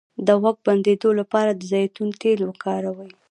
د غوږ د بندیدو لپاره د زیتون تېل وکاروئ